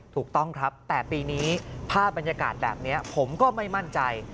ถูกต้องครับแต่ปีนี้ภาพบรรยากาศแบบนี้ผมก็ไม่มั่นใจ